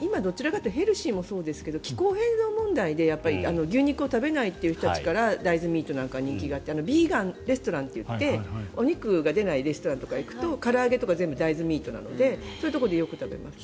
今、どちらかというとヘルシーもそうですけど気候変動問題で牛肉を食べない人たちから大豆ミートなんかは人気があってビーガンレストランといってお肉が出ないレストランとか行くとから揚げとか全部、大豆ミートなのでそういうところでよく食べます。